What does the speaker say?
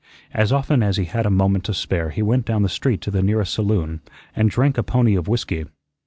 As often as he had a moment to spare he went down the street to the nearest saloon and drank a pony of whiskey.